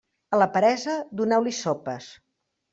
A la peresa, doneu-li sopes.